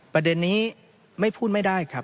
ประเด็นนี้ไม่พูดไม่ได้ครับ